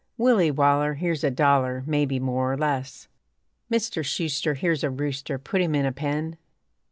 Willie Waller, Here's a dollar, Maybe more or less. Mister Shuster, Here's a rooster, Put him in a pen.